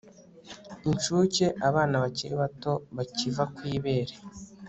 inshuke abana bakiri bato bakiva ku ibere